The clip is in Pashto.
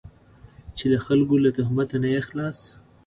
چې له خلکو له تهمته نه یې خلاص.